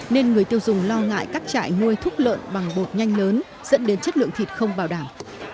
nên người tiêu dùng lo ngại các trại nuôi thúc lợn bằng bột nhanh lớn dẫn đến chất lượng thịt không bảo đảm